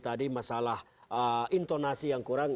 tadi masalah intonasi yang kurang